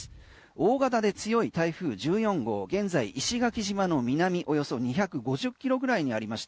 大型で強い台風１４号現在、石垣島の南およそ２５０キロぐらいにありまし